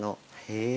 へえ。